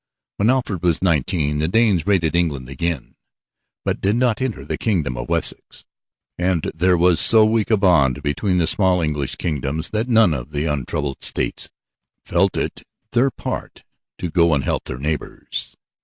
When Alfred was nineteen the Danes raided England again, but did not enter the kingdom of Wessex. And there was so weak a bond between the small English kingdoms that none of the untroubled states felt it their part to go and help their neighbors.